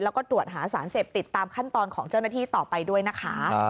แล้วก็ตรวจหาสารเสพติดตามขั้นตอนของเจ้าหน้าที่ต่อไปด้วยนะคะ